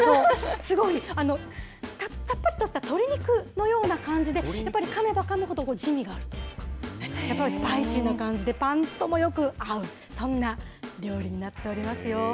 すごい。さっぱりとした鶏肉のような感じで、やっぱりかめばかむほど滋味が出てくるやっぱりスパイシーな感じで、パンともよく合う、そんな料理になっておりますよ。